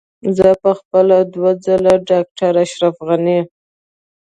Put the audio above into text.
زه په خپله دوه ځله ډاکټر اشرف غني.